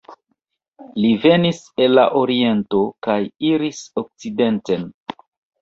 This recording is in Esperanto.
Li venis el la oriento kaj iris okcidenten.